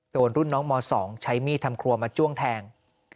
โดนรุ่นน้องม๒ใช้มีดทำครัวมาจ้วงแทง